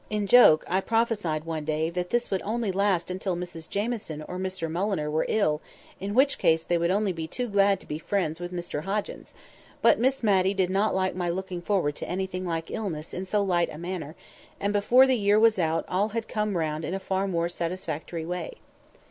In joke, I prophesied one day that this would only last until Mrs Jamieson or Mr Mulliner were ill, in which case they would only be too glad to be friends with Mr Hoggins; but Miss Matty did not like my looking forward to anything like illness in so light a manner, and before the year was out all had come round in a far more satisfactory way.